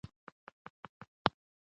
ملالۍ چې لنډۍ یې وویلې، په زړه کې یې جذبه وه.